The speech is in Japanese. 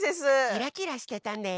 キラキラしてたね。